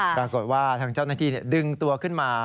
ปรากฏว่าทางเจ้าหน้าที่ดึงตัวขึ้นมา